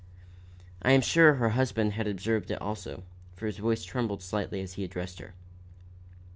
I am sure her husband had observed it also, for his voice trembled slightly as he addressed her.